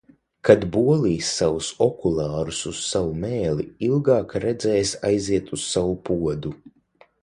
Kad bolīs savus okulārus uz savu mēli, ilgāk redzēs aiziet uz savu podu.